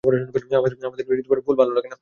আমার ফুল ভালো লাগে না।